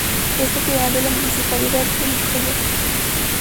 Es propiedad de la Municipalidad de Nicoya.